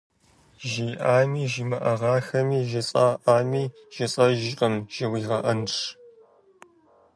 Жиӏами жимыӏагъэххэми, жысӏаӏами, жысӏэжыркъым жыуигъэӏэнщ.